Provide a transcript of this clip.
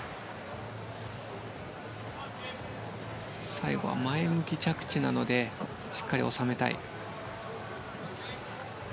最後、前向き着地しっかり収めたい。